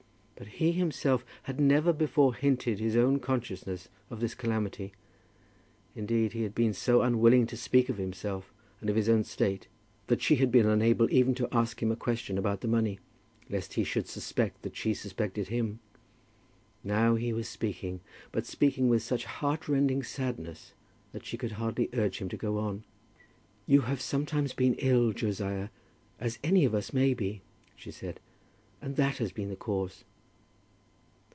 But he himself had never before hinted his own consciousness of this calamity. Indeed he had been so unwilling to speak of himself and of his own state, that she had been unable even to ask him a question about the money, lest he should suspect that she suspected him. Now he was speaking, but speaking with such heartrending sadness that she could hardly urge him to go on. "You have sometimes been ill, Josiah, as any of us may be," she said, "and that has been the cause."